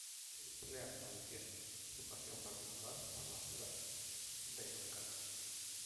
Lean manifestó su pasión particular por la ciudad de los canales.